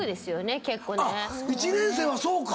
１年生はそうか！